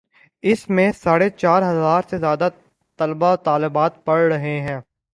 ان میں ساڑھے چار ہزار سے زیادہ طلبا و طالبات پڑھ رہے ہیں۔